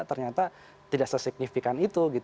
ternyata tidak sesignifikan